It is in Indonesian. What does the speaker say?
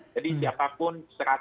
jadi siapapun seratus